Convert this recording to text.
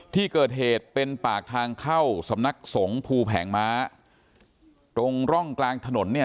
ที่เกิดเหตุเป็นปากทางเข้าสำนักสงฆ์ภูแผงม้าตรงร่องกลางถนนเนี่ย